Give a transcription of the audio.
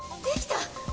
できた！